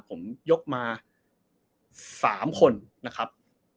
ผมยกมา๓คนนะครับ